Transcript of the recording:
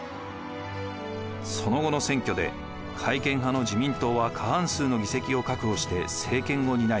その後の選挙で改憲派の自民党は過半数の議席を確保して政権を担い